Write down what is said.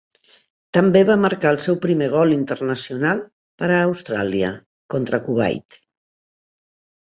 També va marcar el seu primer gol internacional per a Austràlia contra Kuwait.